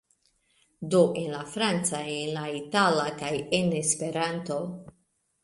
Do en la franca, en la itala, kaj en Esperanto.